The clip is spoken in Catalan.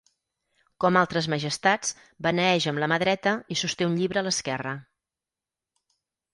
Com altres majestats, beneeix amb la mà dreta i sosté un llibre a l'esquerra.